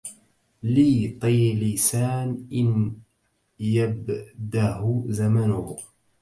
لي طيلسان إن يبده زمانه